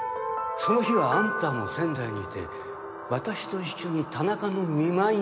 その日はあんたも仙台にいて私と一緒に田中の見舞いに行った事にしよう。